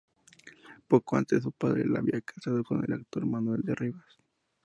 Poco antes, su padre la había casado con el actor Manuel de Rivas.